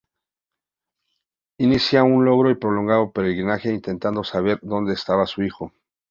Inicia un largo y prolongado peregrinaje intentando saber dónde estaba su hijo.